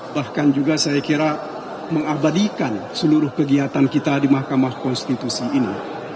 bahkan juga saya kira mengabadikan seluruh kegiatan kita di mahkamah konstitusi ini